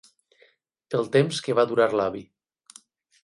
El temps que va durar l'avi.